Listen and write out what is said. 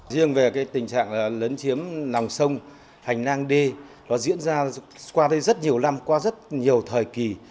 riêng về tình trạng lấn chiếm lòng sông hành nang d nó diễn ra qua đây rất nhiều năm qua rất nhiều thời kỳ